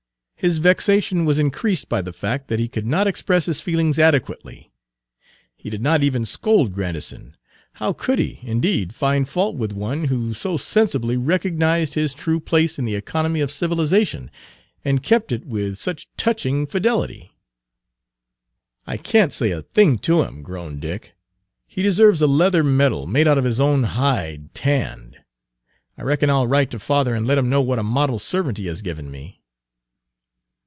His vexation was increased by the fact that he could not express his feelings adequately. He did not even scold Grandison; how could he, indeed, find fault with one who so sensibly recognized his true place in the economy of civilization, and kept it with such touching fidelity? Page 189 "I can't say a thing to him," groaned Dick. "He deserves a leather medal, made out of his own hide tanned. I reckon I'll write to father and let him know what a model servant he has given me."